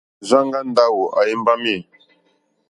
Rzanga Ndawo a imbami.